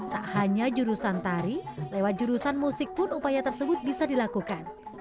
tak hanya jurusan tari lewat jurusan musik pun upaya tersebut bisa dilakukan